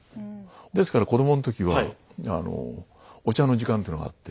ですから子どもの時はお茶の時間というのがあって。